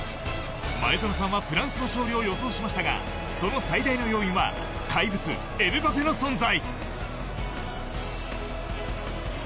前園さんはフランスの勝利を予想しましたがその最大の要因は怪物エムバペの存在。